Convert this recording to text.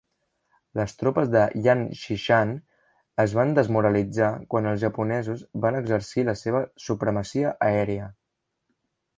Les tropes de Yan Xishan es van desmoralitzar quan els japonesos van exercir la seva supremacia aèria.